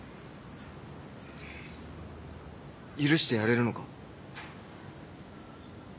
許してやれるのか？